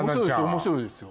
面白いですよ。